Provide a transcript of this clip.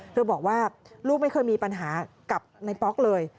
บอกว่าลูกไม่เคยมีปัญหากับในป๊อกเลย